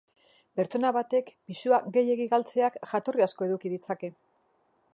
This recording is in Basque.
Pertsona batek pisua gehiegi galtzeak jatorri asko eduki ditzake.